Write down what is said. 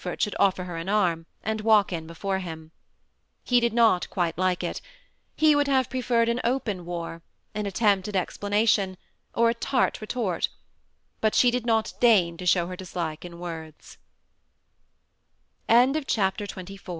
rt, should offer her bu arm, and walk in before him. He did not quite like it ; he would have preferred an open war, an attempt at ex planation, or a tart retort, — but she did not deign to show her dislik